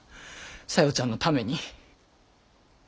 小夜ちゃんのために。